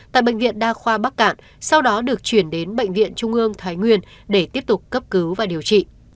tại bệnh viện đa khoa bắc cạn sau đó được chuyển đến bệnh viện trung ương thái nguyên để tiếp tục cấp cứu và điều trị